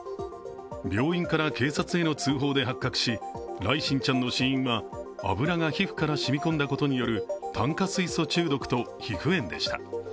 病院から警察への通報で発覚し來心ちゃんの死因は油が皮膚から染み込んだことによる炭化水素中毒と皮膚炎でした。